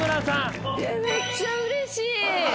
めっちゃうれしい。